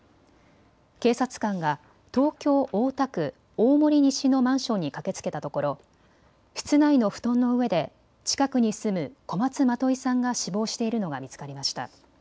警察官が東京大田区大森西のマンションに駆けつけたところ室内の布団の上で近くに住む小松まといさんが死亡しているのが見つかりました。